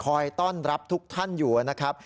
ต้อนรับทุกท่านอยู่นะครับ